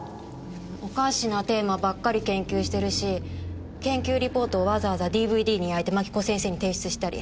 おかしなテーマばっかり研究してるし研究リポートをわざわざＤＶＤに焼いて槙子先生に提出したり。